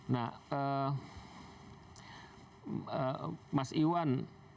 nah mas iwan